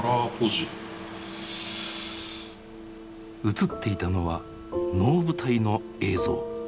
映っていたのは能舞台の映像。